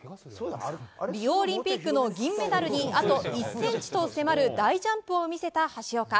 リオオリンピックの銀メダルにあと１ｃｍと迫る大ジャンプを見せた橋岡。